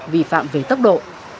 vi phạm về tốc độ